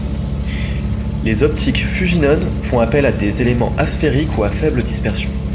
Les optiques Fujinon font appel à des éléments asphériques ou à faible dispersion.